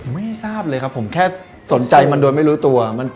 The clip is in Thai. ไม่ทราบเลยครับผมแค่สนใจมันโดยไม่รู้ตัว